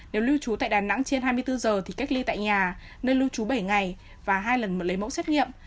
nếu lưu trú tại đà nẵng trên hai mươi bốn giờ thì cách ly tại nhà nơi lưu trú bảy ngày và hai lần lấy mẫu xét nghiệm